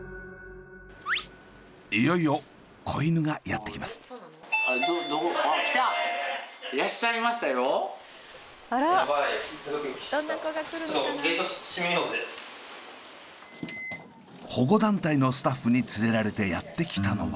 いよいよ子犬がやって来ます！保護団体のスタッフに連れられてやって来たのは。